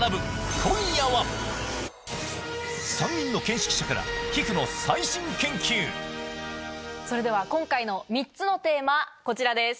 今夜は３人の見識者からそれでは今回の３つのテーマこちらです。